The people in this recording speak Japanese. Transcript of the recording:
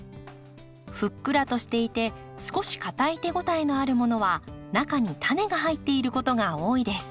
ふっくらとしていて少し硬い手応えのあるものは中にタネが入っていることが多いです。